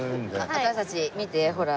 私たち見てほら。